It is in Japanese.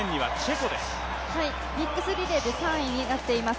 ミックスリレーで３位になっています。